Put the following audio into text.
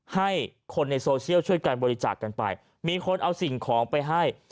ให้คนในโซเชียลช่วยกันบริจาคกันไปมีคนเอาสิ่งของไปให้